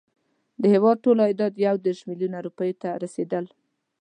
د هیواد ټول عایدات یو دېرش میلیونه روپیو ته رسېدل.